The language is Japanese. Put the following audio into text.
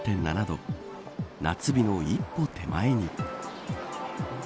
夏日の一歩手前に。